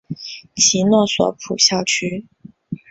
其诺索普校区。